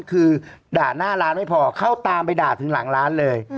คือด่าหน้าร้านไม่พอเข้าตามไปด่าถึงหลังร้านเลย